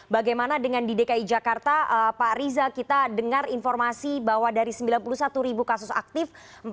bagaimana dengan di dki jakarta pak riza kita dengar informasi bahwa dari sembilan puluh satu ribu kasus aktif